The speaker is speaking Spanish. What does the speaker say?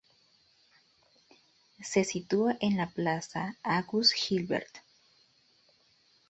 Se sitúa en la Plaza Auguste Gilbert.